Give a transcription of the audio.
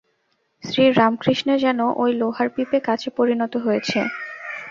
শ্রীরামকৃষ্ণে যেন ঐ লোহার পিপে কাচে পরিণত হয়েছে।